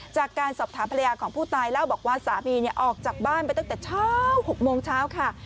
จากการสอบถามภรรยาของผู้ตายเล่าบอกว่าสามีออกจากบ้านไปตั้งแต่เช้า๖โมงเช้าค่ะ